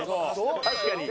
確かに。